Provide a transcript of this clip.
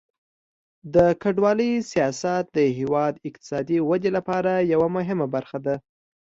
د کډوالۍ سیاست د هیواد د اقتصادي ودې لپاره یوه مهمه برخه ده.